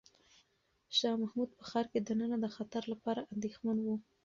شاه محمود په ښار کې دننه د خطر لپاره اندېښمن و.